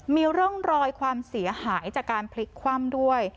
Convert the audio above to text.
มีร่องรอยความเสียหายจากการพลิกคว่ำด้วย